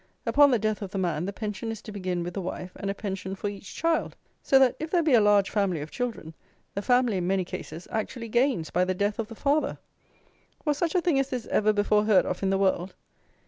Upon the death of the man, the pension is to begin with the wife, and a pension for each child; so that, if there be a large family of children, the family, in many cases, actually gains by the death of the father! Was such a thing as this ever before heard of in the world?